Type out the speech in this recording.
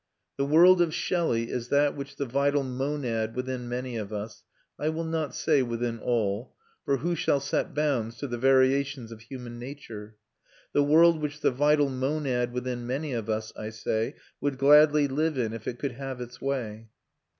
The world of Shelley is that which the vital monad within many of us I will not say within all, for who shall set bounds to the variations of human nature? the world which the vital monad within many of us, I say, would gladly live in if it could have its way.